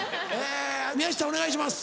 宮下お願いします。